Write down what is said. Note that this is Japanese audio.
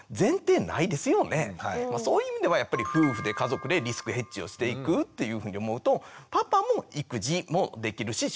そういう意味ではやっぱり夫婦で家族でリスクヘッジをしていくっていうふうに思うとパパも育児もできるし仕事もできる。